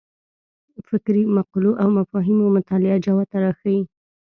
فکري مقولو او مفاهیمو مطالعه جوته راښيي.